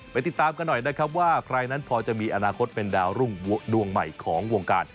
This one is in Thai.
ติดตามกันหน่อยนะครับว่าใครนั้นพอจะมีอนาคตเป็นดาวรุ่งดวงใหม่ของวงการ